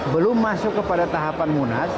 belum masuk kepada tahapan munas